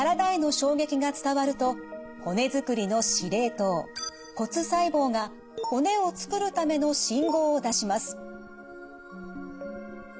骨づくりの司令塔骨細胞が骨をつくるための信号を出します。